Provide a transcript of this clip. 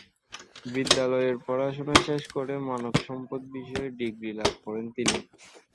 বিদ্যালয়ের পড়াশোনা শেষ করে মানবসম্পদ বিষয়ে ডিগ্রী লাভ করেন তিনি।